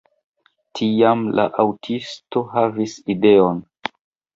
Tiam la aŭtisto havis ideon.